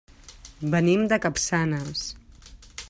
Venim de Capçanes.